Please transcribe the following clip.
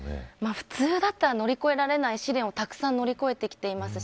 普通だったら乗り越えられない試練をたくさん乗り越えてきていますし